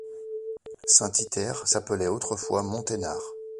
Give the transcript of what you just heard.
Saint-Ythaire s'appelait autrefois Mont-Aynard.